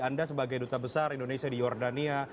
anda sebagai duta besar indonesia di jordania